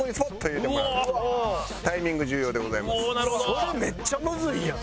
それめっちゃむずいやん！